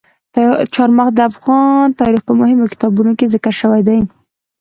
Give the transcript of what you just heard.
چار مغز د افغان تاریخ په مهمو کتابونو کې ذکر شوي دي.